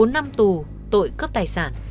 bốn năm tù tội cướp tài sản